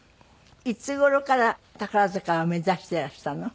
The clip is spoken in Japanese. いつ頃から宝塚を目指していらしたの？